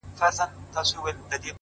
دده مخ د نمکينو اوبو ډنډ سي!!